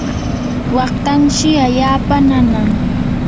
waqtanshi allaapa nanan.